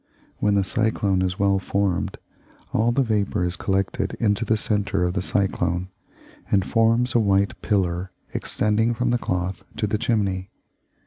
When the cyclone is well formed, all the vapour is collected into the centre of the cyclone, and forms a white pillar extending from the cloth to the chimney.